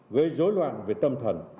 gây rối loạn về tâm thần